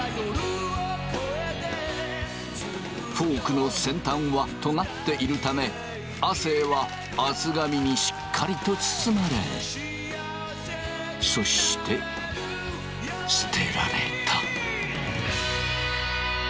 フォークの先端はとがっているため亜生は厚紙にしっかりと包まれそして捨てられた。